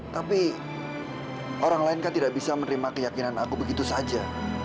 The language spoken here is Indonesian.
tapi orang lain kan tidak bisa menerima keyakinan aku begitu saja